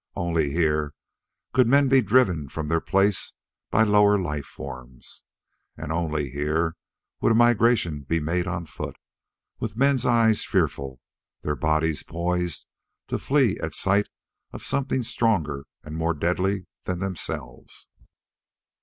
Only here could men be driven from their place by lower life forms. And only here would a migration be made on foot, with men's eyes fearful, their bodies poised to flee at sight of something stronger and more deadly than themselves.